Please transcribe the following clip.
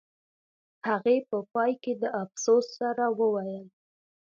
هغې په پای کې د افسوس سره وویل